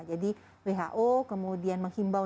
jadi who kemudian menghimbau